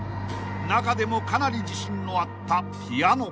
［中でもかなり自信のあったピアノ］